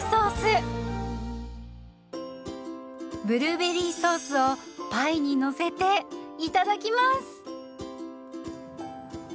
ブルーベリーソースをパイにのせていただきます。